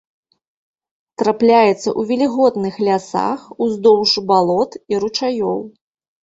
Трапляецца ў вільготных лясах, уздоўж балот і ручаёў.